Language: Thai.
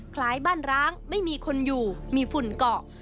คล้ายบ้านร้างไม่มีคนอยู่มีฝุ่นเกาะ